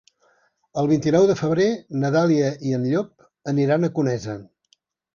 El vint-i-nou de febrer na Dàlia i en Llop aniran a Conesa.